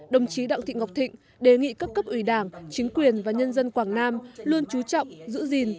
đồng chí đặng thị ngọc thịnh đề nghị các cấp ủy đảng chính quyền và nhân dân quảng nam luôn trú trọng giữ gìn